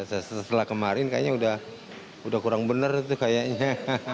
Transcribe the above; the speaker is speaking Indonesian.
setelah kemarin kayaknya udah kurang bener tuh kayaknya